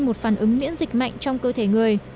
một phản ứng miễn dịch mạnh trong cơ thể người